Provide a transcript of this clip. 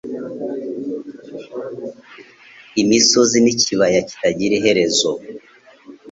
Imisozi n'ikibaya kitagira iherezo -